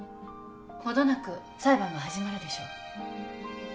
程なく裁判が始まるでしょう。